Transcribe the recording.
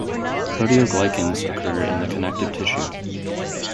Proteoglycans occur in the connective tissue.